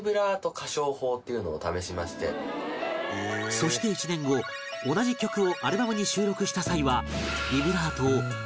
そして１年後同じ曲をアルバムに収録した際は